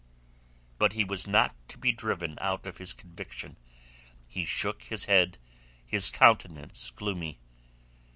But he was not to be driven out of his conviction. He shook his head, his countenance gloomy.